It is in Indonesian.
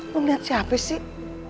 lu liat siapa sih